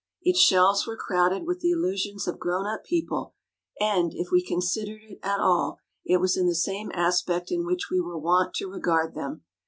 Its shelves were crowded with the illusions of grown up people, and, if we considered it at all, it was in the same aspect in which we were wont to regard them.